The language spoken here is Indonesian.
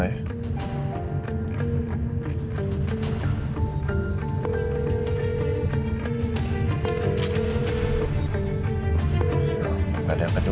bapak udah coba telepon rizal